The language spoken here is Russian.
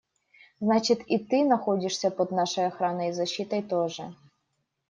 Значит, и ты находишься под нашей охраной и защитой тоже.